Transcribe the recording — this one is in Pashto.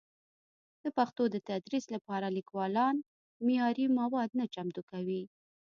د پښتو د تدریس لپاره لیکوالان معیاري مواد نه چمتو کوي.